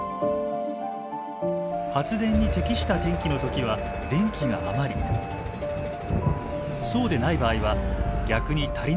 発電に適した天気の時は電気が余りそうでない場合は逆に足りなくなるおそれがあります。